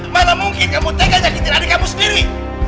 mana mungkin kamu tegak nyakitin adik kamu sendiri